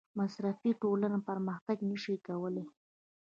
مصرفي ټولنه پرمختګ نشي کولی.